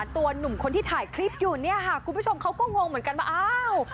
หนุ่มคนที่ถ่ายคลิปอยู่เนี่ยค่ะคุณผู้ชมเขาก็งงเหมือนกันว่าอ้าว